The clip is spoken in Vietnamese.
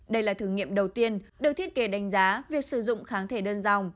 đây là thử nghiệm đầu tiên được thiết kế đánh giá việc sử dụng kháng thể đơn dòng